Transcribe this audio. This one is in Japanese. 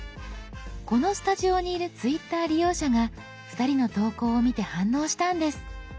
このスタジオにいるＴｗｉｔｔｅｒ利用者が２人の投稿を見て反応したんです。